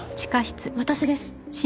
私です。